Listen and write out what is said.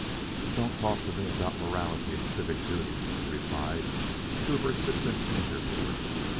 "Don't talk to me about morality and civic duty," he replied to a persistent interviewer.